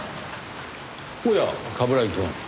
おや冠城くん。